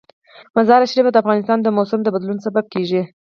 مزارشریف د افغانستان د موسم د بدلون سبب کېږي.